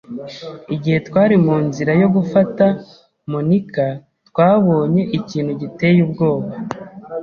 Igihe twari mu nzira yo gufata Monika, twabonye ikintu giteye ubwoba.